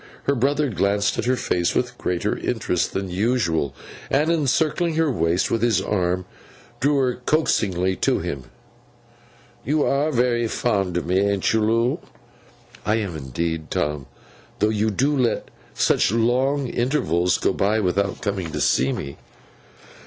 Her brother glanced at her face with greater interest than usual, and, encircling her waist with his arm, drew her coaxingly to him. 'You are very fond of me, an't you, Loo?' 'Indeed I am, Tom, though you do let such long intervals go by without coming to see me.